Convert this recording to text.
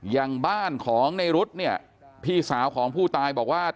อย่างบ้านของในรุ๊ดเนี่ยพี่สาวของผู้ตายบอกว่า